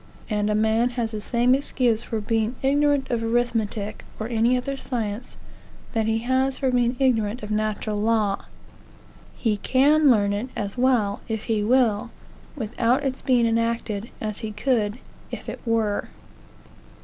And a man has the same excuse for being ignorant of arithmetic, or any other science, that he has for being ignorant of natural law. He can learn it as well, if he will, without its being enacted, as he could if it were.